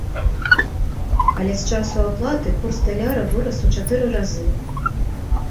Але з часу аплаты курс даляра вырас у чатыры разы!